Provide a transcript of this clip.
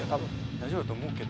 大丈夫だと思うけど。